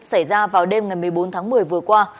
xảy ra vào đêm ngày một mươi bốn tháng một mươi vừa qua